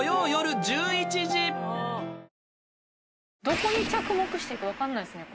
どこに着目していいかわかんないですね